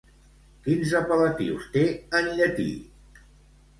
Quins apel·latius té, en llatí?